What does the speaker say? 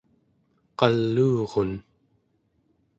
qaluurun